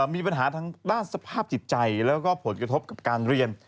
มีปัญหาทางด้านสภาพจิตใจแล้วก็ผลกระทบกับการเรียน